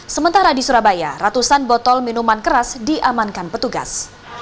sementara di surabaya ratusan botol minuman keras diamankan petugas